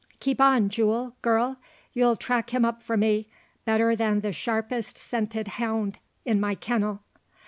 Keep on, Jule, girl! You'll track him up for me, better than the sharpest scented hound in my kennel."